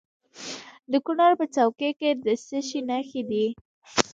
د کونړ په څوکۍ کې د څه شي نښې دي؟